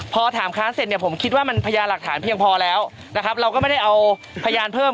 พอถามค้านเสร็จเนี่ยผมคิดว่ามันพยานหลักฐานเพียงพอแล้วนะครับเราก็ไม่ได้เอาพยานเพิ่ม